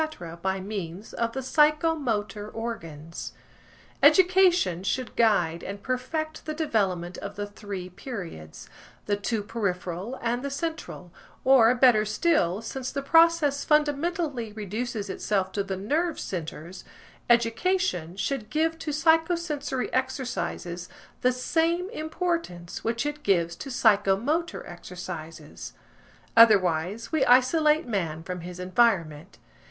–by means of the psychomotor organs. Education should guide and perfect the development of the three periods, the two peripheral and the central; or, better still, since the process fundamentally reduces itself to the nerve centres, education should give to psychosensory exercises the same importance which it gives to psychomotor exercises. Otherwise, we isolate man from his environment.